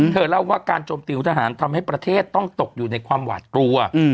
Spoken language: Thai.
เธอเล่าว่าการจมติวทหารทำให้ประเทศต้องตกอยู่ในความหวาดกลัว